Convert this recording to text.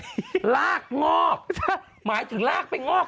ติดนานว่ายีร้อยจนแคะออก